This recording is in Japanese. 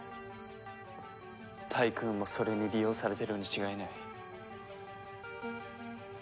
タイクーンもそれに利用されてるに違いない。